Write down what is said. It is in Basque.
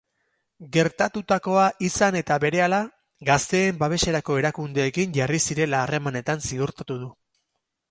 Gertatutakoa izan eta berehala, gazteen babeserako erakundeekin jarri zirela harremanetan ziurtatu du.